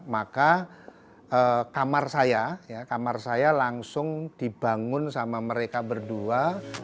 maka kamar saya kamar saya langsung dibangun sama mereka berdua